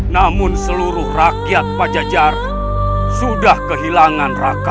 namun seluruh rakyat pajajar sudah kehilangan rasa